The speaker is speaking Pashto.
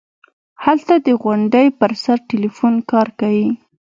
هلته د غونډۍ پر سر ټېلفون کار کيي.